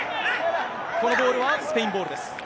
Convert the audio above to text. このボールはスペインボールです。